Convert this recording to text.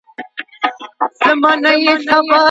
ولي خلګ د بښنې پر ځای غچ اخلي؟